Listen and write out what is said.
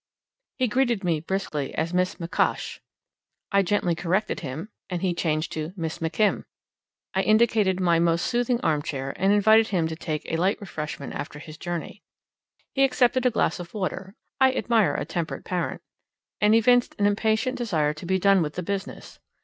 He greeted me briskly as "Miss McKosh." I gently corrected him, and he changed to "Miss McKim." I indicated my most soothing armchair, and invited him to take some light refreshment after his journey. He accepted a glass of water (I admire a temperate parent), and evinced an impatient desire to be done with the business.